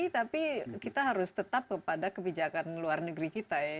tapi kita harus tetap kepada kebijakan luar negeri kita ya